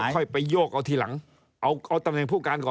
ค่อยไปโยกเอาทีหลังเอาตำแหน่งผู้การก่อน